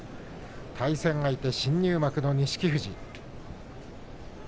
対戦相手、新入幕の錦富士